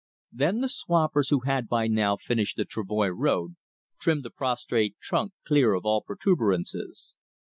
Then the swampers, who had by now finished the travoy road, trimmed the prostrate trunk clear of all protuberances.